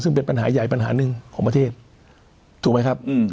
ซึ่งเป็นปัญหาใหญ่ปัญหาหนึ่งของประเทศถูกไหมครับ